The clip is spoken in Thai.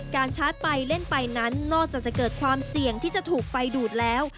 ชาร์จไปเล่นไปนั้นนอกจากจะเกิดความเสี่ยงที่จะถูกไฟดูดแล้ว